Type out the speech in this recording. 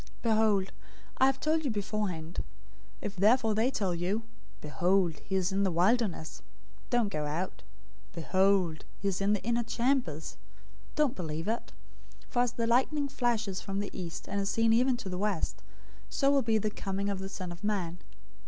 024:025 "Behold, I have told you beforehand. 024:026 If therefore they tell you, 'Behold, he is in the wilderness,' don't go out; 'Behold, he is in the inner chambers,' don't believe it. 024:027 For as the lightning flashes from the east, and is seen even to the west, so will be the coming of the Son of Man.